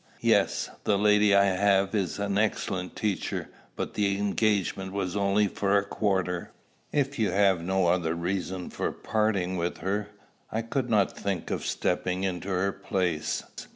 "Yes; the lady I have is an excellent teacher; but the engagement was only for a quarter." "If you have no other reason for parting with her, I could not think of stepping into her place.